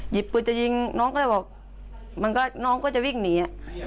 หยิบปืนจะยิงน้องก็เลยบอกิน้องก็จะวิ่งหนี